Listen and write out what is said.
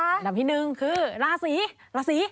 อันดับที่หนึ่งคือราศีราศี